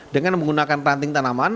dengan menggunakan ranting tanaman